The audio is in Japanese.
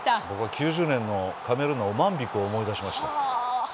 ９０年のカメルーンのオマンビクを思い出しました。